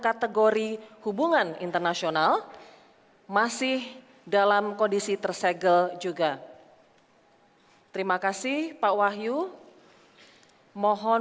kategori hubungan internasional masih dalam kondisi tersegel juga terima kasih pak wahyu mohon